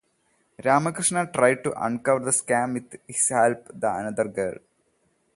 Ramakrishna tried to uncover the scam with his help and the another girl.